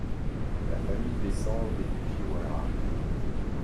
La famille descend des Fujiwara.